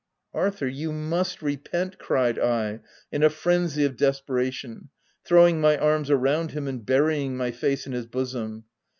u Arthur, you must repent !" cried I, in a frenzy of desperation, throwing my arms around him and burying my face in his bosom.